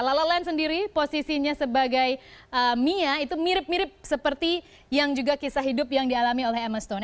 lala land sendiri posisinya sebagai mia itu mirip mirip seperti yang juga kisah hidup yang dialami oleh emmaston